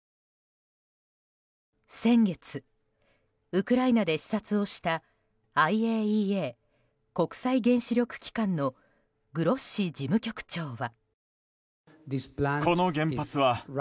先月、ウクライナで視察をしたＩＡＥＡ・国際原子力機関のグロッシ事務局長は。